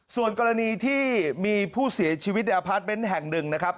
ส่วนกรณีที่มีผู้เสียชีวิตในอพาร์ทเมนต์แห่งหนึ่งนะครับ